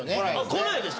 こないです。